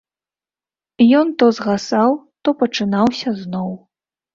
Ён то згасаў, то пачынаўся зноў.